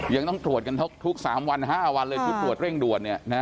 ยังต้องตรวจกันทุก๓วัน๕วันเลยชุดตรวจเร่งด่วน